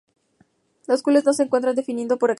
El gules no se encuentra definido con exactitud.